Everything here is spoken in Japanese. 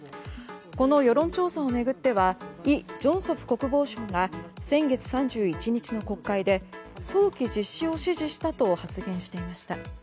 この世論調査を巡ってはイ・ジョンソプ国防相が先月３１日の国会で早期実施を指示したと発言していました。